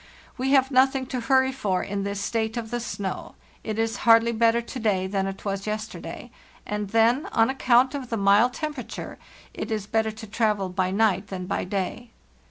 We have nothing to hurry for in this state of the snow; it is hardly better to day than it was yesterday, and then, on account of the mild temperature, it is better to travel by night than by day.